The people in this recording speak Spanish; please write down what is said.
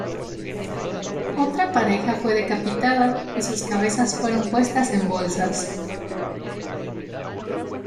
Otra pareja fue decapitada y sus cabezas fueron puestas en bolsas.